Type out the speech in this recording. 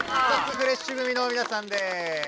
フレッシュ組のみなさんです。